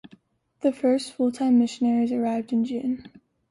The first full time missionaries arrived in June.